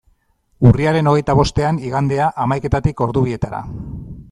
Urriaren hogeita bostean, igandea, hamaiketatik ordu bietara.